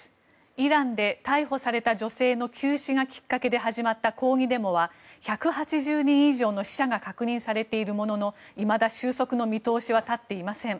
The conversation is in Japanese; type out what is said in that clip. イランで逮捕された女性の急死がきっかけで始まった抗議デモは１８０人以上の死者が確認されているもののいまだ収束の見通しは立っていません。